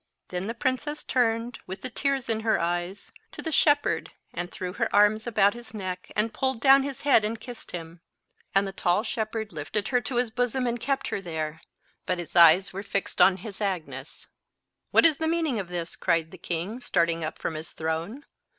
Then the princess turned, with the tears in her eyes, to the shepherd, and threw her arms about his neck and pulled down his head and kissed him. And the tall shepherd lifted her to his bosom and kept her there, but his eyes were fixed on his Agnes. "What is the meaning of this?" cried the king, starting up from his throne.